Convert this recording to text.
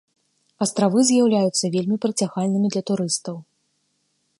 Астравы з'яўляюцца вельмі прыцягальнымі для турыстаў.